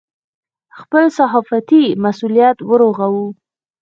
خپل صحافتي مسوولیت ورغوو.